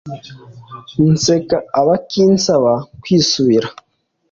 Nseka abakinsaba kwisubira